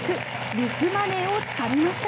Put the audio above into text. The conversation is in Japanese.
ビッグマネーをつかみました。